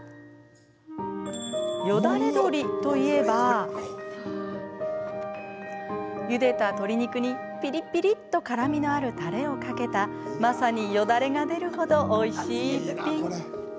よだれ鶏といえばゆでた鶏肉に、ピリピリっと辛みのあるたれをかけたまさによだれが出るほどおいしい逸品。